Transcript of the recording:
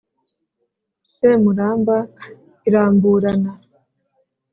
semuramba iramburana,